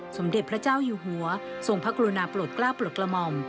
สมเด็จพระเจ้าอยู่หัวทรงพระกรุณาโปรดกล้าปลดกระหม่อม